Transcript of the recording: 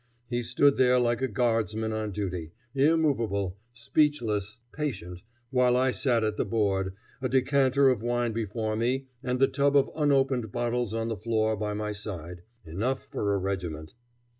He stood there like a guardsman on duty, immovable, speechless, patient, while I sat at the board, a decanter of wine before me and the tub of unopened bottles on the floor by my side enough for a regiment.